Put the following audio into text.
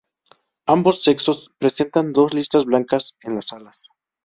Ambos sexos presentan dos listas blancas en las alas.